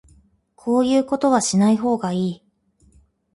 こういうことはしない方がいい